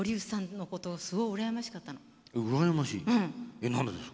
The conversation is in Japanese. えっ何でですか？